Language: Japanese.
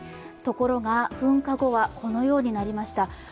ところが、噴火後はこのようになりました。